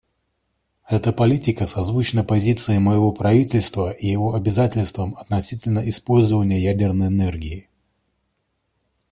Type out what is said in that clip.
Эта политика созвучна позиции моего правительства и его обязательствам относительно использования ядерной энергии.